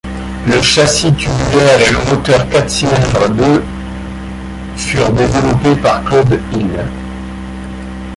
Le châssis tubulaire et le moteur quatre-cylindres de furent développés par Claude Hill.